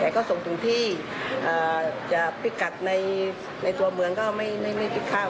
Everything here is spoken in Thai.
แต่ก็ส่งถึงที่เอ่อจะพลิกกัดในในตัวเมืองก็ไม่ไม่ไม่พลิกข้าว